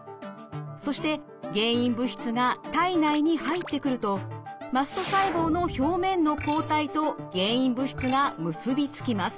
そして原因物質が体内に入ってくるとマスト細胞の表面の抗体と原因物質が結び付きます。